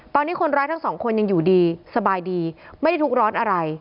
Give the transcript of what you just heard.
ตอนนี้คนร้ายทั้งสองคนยังอยู่ดีสบายดีไม่ได้ทุกร้อนอะไร